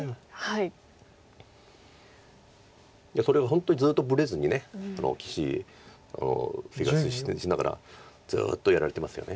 それが本当にずっとぶれずに棋士生活しながらずっとやられてますよね。